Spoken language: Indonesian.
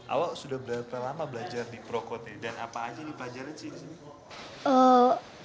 awak sudah berapa lama belajar di prokote dan apa aja dipelajarin sih di sini